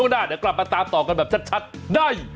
หน้าเดี๋ยวกลับมาตามต่อกันแบบชัดได้